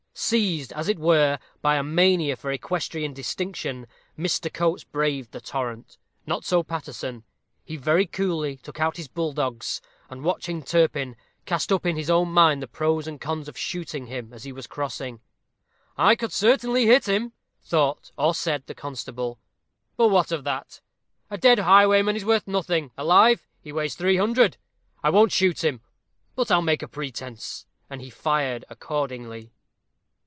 Seized, as it were, by a mania for equestrian distinction, Mr. Coates braved the torrent. Not so Paterson. He very coolly took out his bulldogs, and, watching Turpin, cast up in his own mind the pros and cons of shooting him as he was crossing. "I could certainly hit him," thought, or said, the constable; "but what of that? A dead highwayman is worth nothing alive, he weighs 300_l_. I won't shoot him, but I'll make a pretence." And he fired accordingly.